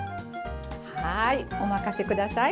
はいお任せ下さい。